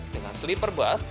dengan sleeper bus